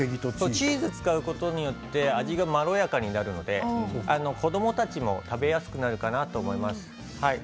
チーズを使うことによって味がまろやかになるので子どもたちも食べやすくなるかなと思います。